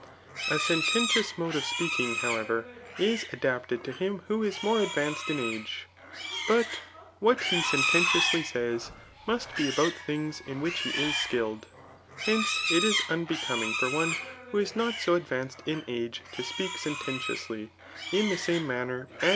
A sententious mode off ^aking, however, is a^bipted tor him who is more advanced in age ; bot what he iMiteiw tiously says, must be about things in which he is skilled* Hence, it is unbecoming for one who is not so advancini in 9ge to speak sententioiasly, in the same maimer as.